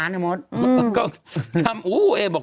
มันเหมือนอ่ะ